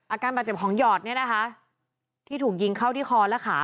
อาการบาดเจ็บของหยอดเนี่ยนะคะที่ถูกยิงเข้าที่คอและขา